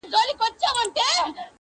د ښار ټولو اوسېدونكو ته عيان وو-